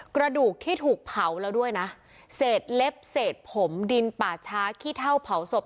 กระดูกที่ถูกเผาแล้วด้วยนะเศษเล็บเศษผมดินป่าช้าขี้เท่าเผาศพ